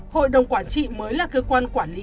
hội đồng quản trị mới là cơ quan quản lý